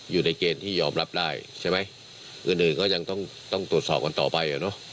อยู่ในเกณฑ์ที่ยอมรับได้ใช่ไหมอื่นก็ยังต้องตรวจสอบกันต่อไป